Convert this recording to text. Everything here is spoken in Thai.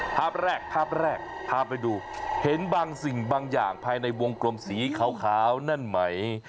ภาพแรกภาพแรกพาไปดูเห็นบางสิ่งบางอย่างภายในวงกลมสีขาวนั่นไหม